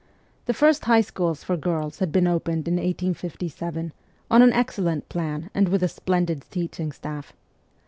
The first high schools for girls had been opened in 1857, on an excellent plan and with a splendid teaching staff.